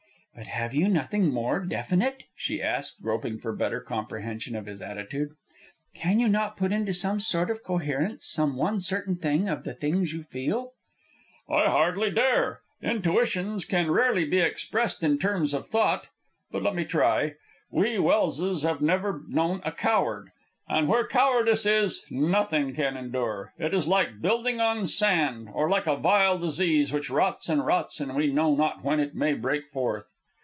"But have you nothing more definite?" she asked, groping for better comprehension of his attitude. "Can you not put into some sort of coherence some one certain thing of the things you feel?" "I hardly dare. Intuitions can rarely be expressed in terms of thought. But let me try. We Welses have never known a coward. And where cowardice is, nothing can endure. It is like building on sand, or like a vile disease which rots and rots and we know not when it may break forth."